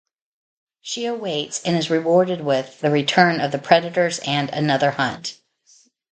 She awaits, and is rewarded with, the return of the Predators and another hunt.